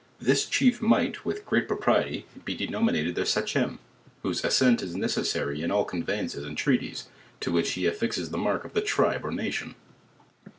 This ch.'ef might with great propriety bo denominated their Sachem; whose arsent is neccssarv in all conveyances and treaties, to whic^l he af fixes the mark of the tribe < r nation.